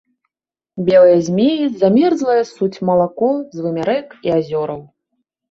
Белыя змеі замерзлае ссуць малако з вымя рэк і азёраў.